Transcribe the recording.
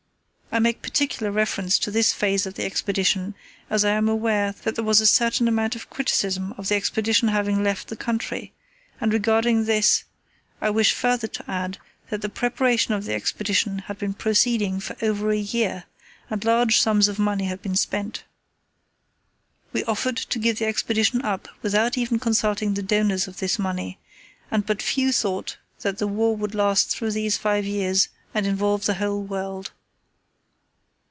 I make particular reference to this phase of the Expedition as I am aware that there was a certain amount of criticism of the Expedition having left the country, and regarding this I wish further to add that the preparation of the Expedition had been proceeding for over a year, and large sums of money had been spent. We offered to give the Expedition up without even consulting the donors of this money, and but few thought that the war would last through these five years and involve the whole world.